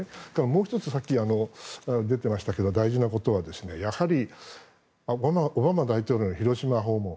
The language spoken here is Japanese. もう１つ、さっき出てましたが大事なことはやはりオバマ大統領の広島訪問。